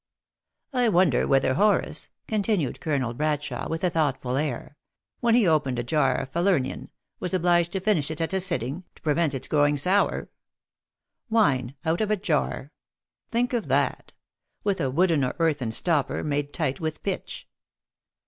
" I wonder whether Horace," continued Colonel Bradshawe, with a thoughtful air, " when he opened a jar of Falernian, was obliged to finish it at a sitting, to prevent its growing sour? Wine out of a jar! Think of that. With a wooden or earthen stopper, made tight with pitch.